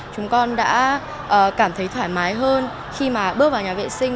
chúng con đã cảm thấy thoải mái hơn khi mà bước vào nhà vệ sinh